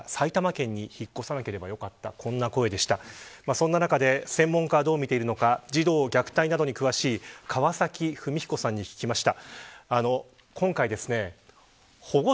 そんな中で専門家はどう見ているのか児童虐待などに詳しい川崎二三彦さんに聞きました。